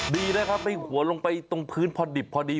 ดีนะครับไอ้หัวลงไปตรงพื้นพอดิบพอดี